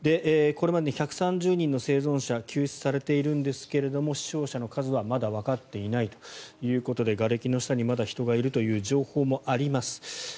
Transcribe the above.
これまでに１３０人の生存者が救出されているんですが死傷者の数はまだわかっていないということでがれきの下にまだ人がいるという情報もあります。